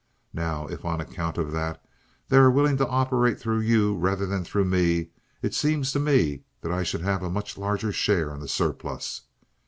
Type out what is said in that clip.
Now, if on account of that they are willing to operate through you rather than through me, it seems to me that I should have a much larger share in the surplus.